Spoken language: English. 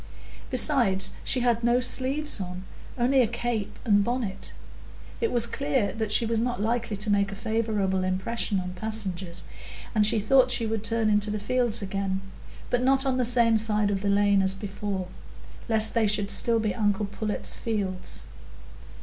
Besides, she had no sleeves on,—only a cape and bonnet. It was clear that she was not likely to make a favourable impression on passengers, and she thought she would turn into the fields again, but not on the same side of the lane as before, lest they should still be uncle Pullet's fields.